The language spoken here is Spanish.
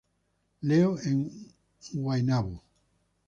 Leo en Guaynabo.